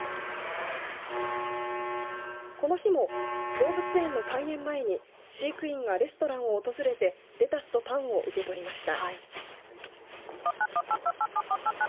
この日も動物園の開園前に飼育員がレストランを訪れてレタスとパンを受け取りました。